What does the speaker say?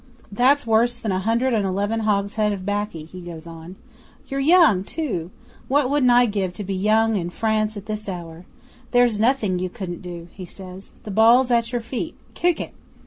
"That's worse than a hundred and eleven hogshead of 'baccy," he goes on. "You're young, too! What wouldn't I give to be young in France at this hour! There's nothing you couldn't do," he says. "The ball's at your feet kick it!"